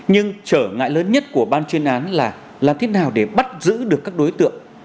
nhưng trở ngại lớn nhất của ban chuyên án là thế nào để bắt giữ được các đối tượng